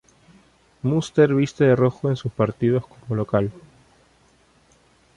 Munster viste de rojo en sus partidos como local.